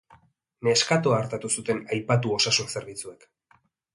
Neskatoa artatu zuten aipatu osasun zerbitzuek.